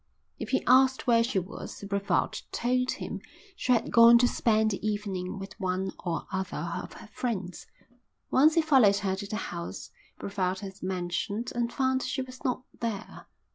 If he asked where she was Brevald told him she had gone to spend the evening with one or other of her friends. Once he followed her to the house Brevald had mentioned and found she was not there.